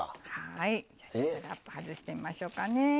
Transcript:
はいじゃあ外してみましょうかね。